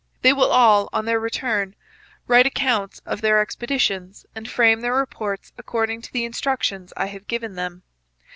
They will all on their return write accounts of their expeditions and frame their reports according to the instructions I have given them.